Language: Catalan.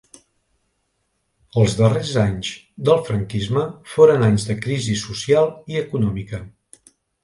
Els darrers anys del franquisme foren anys de crisi social i econòmica.